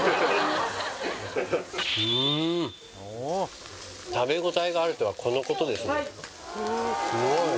うん食べ応えがあるとはこのことですね